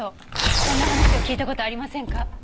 こんな話を聞いた事ありませんか？